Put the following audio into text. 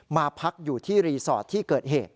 มาพักอยู่ที่รีสอร์ทที่เกิดเหตุ